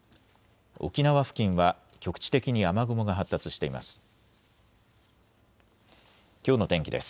沖縄付近は局地的に雨雲が発達しています。